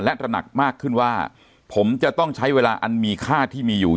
และตระหนักมากขึ้นว่าผมจะต้องใช้เวลาอันมีค่าที่มีอยู่